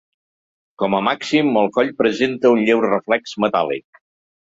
Com a màxim el coll presenta un lleu reflex metàl·lic.